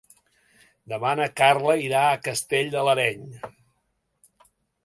Demà na Carla irà a Castell de l'Areny.